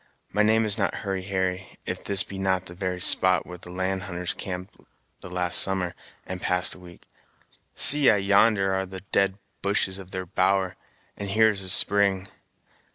My name is not Hurry Harry, if this be not the very spot where the land hunters camped the last summer, and passed a week. See I yonder are the dead bushes of their bower, and here is the spring.